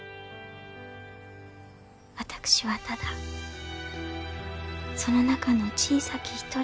私はただその中の小さき一人。